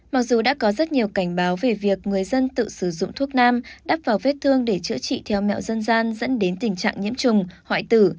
mặc dù đã có rất nhiều cảnh báo về việc người dân tự sử dụng thuốc nam đắp vào vết thương để chữa trị theo mẹo dân gian dẫn đến tình trạng nhiễm trùng hoại tử